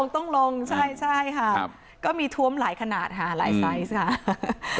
ต้องลงใช่ค่ะก็มีท้วมหลายขนาดค่ะหลายไซส์ค่ะ